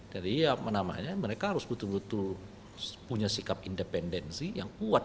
jadi apa namanya mereka harus betul betul punya sikap independensi yang kuat